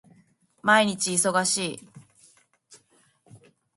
毎日忙しい